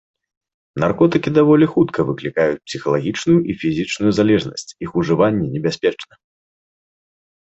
Наркотыкі даволі хутка выклікаюць псіхалагічную і фізічную залежнасць, іх ужыванне небяспечна.